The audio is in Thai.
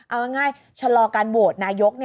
เอาง่ายชะลอการโหวตนายก